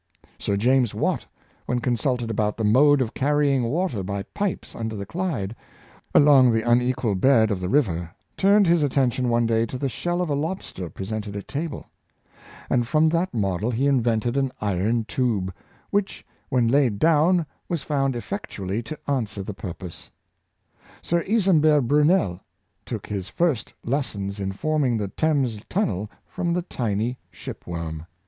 Sir James Watt when consulted about the mode of carrying water by pipes under the Clyde, along the unequal bed of the river, turned his attention one day to the shell of a lobster presented at table; and from that model he in vented an iron tube, which, when laid down, was found effectually to answer the purpose. Sir Isambert Brunei took his first lessons in forming the Thames Tunnel 246 Might 171 Little Things, from the tiny ship worm.